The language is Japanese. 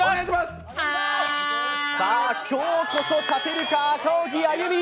今日こそ勝てるか赤荻歩！